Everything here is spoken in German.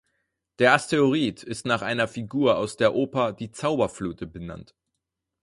Der Asteroid ist nach einer Figur aus der Oper Die Zauberflöte benannt.